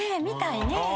見たいね。